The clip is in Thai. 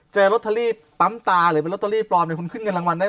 เจอโรตเตอรี่ปั๊มตาหรือโรตเตอรี่ปลอมในคุณเขินการรางวัลได้